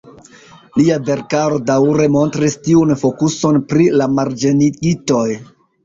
Lia verkaro daŭre montris tiun fokuson pri la marĝenigitoj.